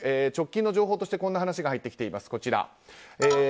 直近の情報としてこんな話が入っています。